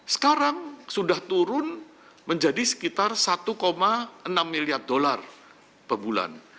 sekarang sudah turun menjadi sekitar satu enam miliar dolar per bulan